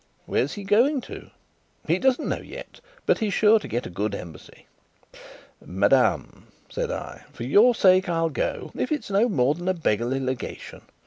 "Where's he going to?" "He doesn't know yet; but it's sure to be a good Embassy." "Madame," said I, "for your sake I'll go, if it's no more than a beggarly Legation.